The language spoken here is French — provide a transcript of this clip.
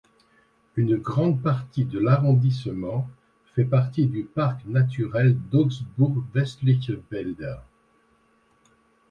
Une grande partie de l'arrondissement fait partie du Parc Naturel d'Augsbourg-Westliche Wälder.